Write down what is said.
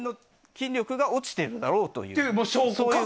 筋力が落ちているだろうと。